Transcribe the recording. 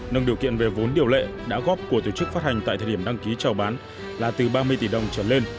nâng điều kiện về vốn điều lệ đã góp của tổ chức phát hành tại thời điểm đăng ký trào bán là từ ba mươi tỷ đồng trở lên